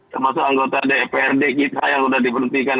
termasuk anggota dprd kita yang sudah diberhentikan